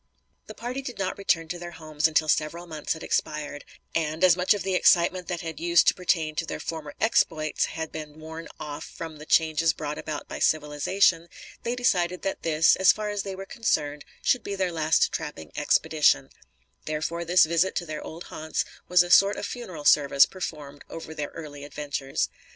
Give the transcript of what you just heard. ] The party did not return to their homes until several months had expired, and, as much of the excitement that used to pertain to their former exploits had been worn off from the changes brought about by civilization, they decided that this, as far as they were concerned, should be their last trapping expedition; therefore, this visit to their old haunts was a sort of funeral service performed over their early adventures.